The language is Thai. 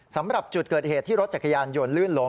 สำหรับจุดเกิดเหตุที่รถจักรยานยนต์ลื่นล้ม